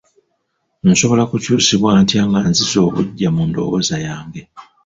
Nsobola kukyusibwa ntya nga nziza obuggya mu ndowooza yange?